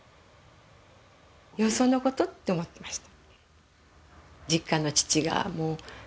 よそのことって思っていました。